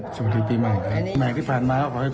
สวัสดีปีใหม่ค่ะ